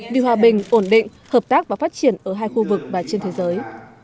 vì hòa bình ổn định hợp tác và phát triển ở hai khu vực và trên thế giới